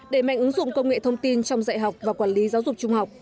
để mạnh ứng dụng công nghệ thông tin trong dạy học và quản lý giáo dục trung học